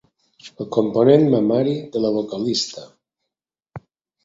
El component mamari de la vocalista.